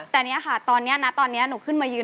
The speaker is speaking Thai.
แต่เนี่ยค่ะตอนนี้นะตอนนี้หนูขึ้นมายืน